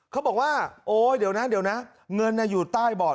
เขาบอกว่าโอ๊ยเดี๋ยวนะเดี๋ยวนะเงินอยู่ใต้บอร์ด